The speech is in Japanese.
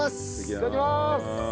いただきます。